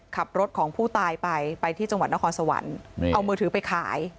ขับรถของผู้ตายไปไปที่จังหวัดนครสวรรค์เอามือถือไปขาย